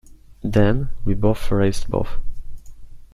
Then we both raised both.